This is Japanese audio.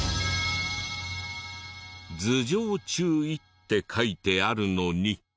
「頭上注意」って書いてあるのに。